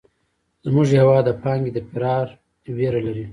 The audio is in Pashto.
زموږ هېواد د پانګې د فرار وېره لري.